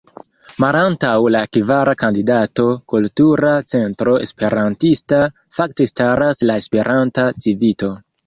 Malantaŭ la kvara kandidato, Kultura Centro Esperantista, fakte staras la Esperanta Civito.